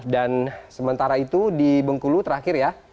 sementara itu di bengkulu terakhir ya